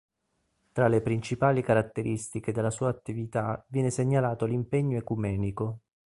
Tra le principali caratteristiche della sua attività viene segnalato l'impegno ecumenico.